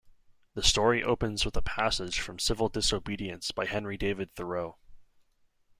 The story opens with a passage from "Civil Disobedience" by Henry David Thoreau.